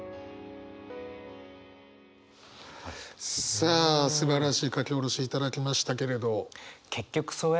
さあすばらしい書き下ろしいただきましたけれど。